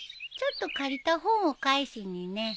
ちょっと借りた本を返しにね。